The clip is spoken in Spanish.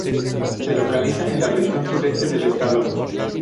Se localiza en la Región Sureste del estado.